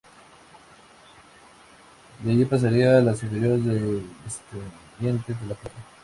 De allí pasaría a las inferiores de Estudiantes de La Plata.